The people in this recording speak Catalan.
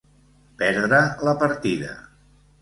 Perdre la partida.